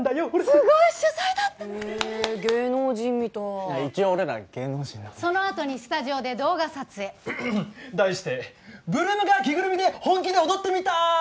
すごい取材だってへえ芸能人みたい一応俺ら芸能人なんでそのあとにスタジオで動画撮影題して「８ＬＯＯＭが着ぐるみで本気で踊ってみた！」